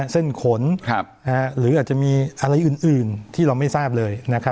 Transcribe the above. เส้นขนหรืออาจจะมีอะไรอื่นที่เราไม่ทราบเลย